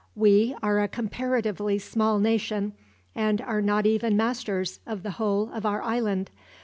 We are a comparatively small nation, and are not even masters of the whole of our island.